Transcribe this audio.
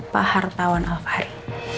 pak hartawan alvahri